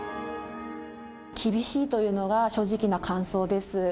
厳しいというのが正直な感想です。